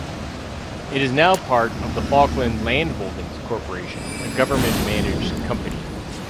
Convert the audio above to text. It is now part of the Falkland Landholdings Corporation, a government-managed company.